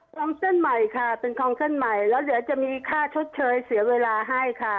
คลองเส้นใหม่ค่ะเป็นคลองเส้นใหม่แล้วเดี๋ยวจะมีค่าชดเชยเสียเวลาให้ค่ะ